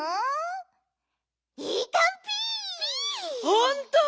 ほんと！？